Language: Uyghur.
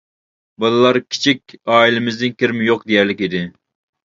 بالىلار كىچىك، ئائىلىمىزنىڭ كىرىمى يوق دېيەرلىك ئىدى.